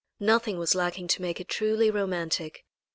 Nothing was lacking to make it truly romantic.